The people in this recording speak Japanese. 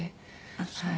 ああそう。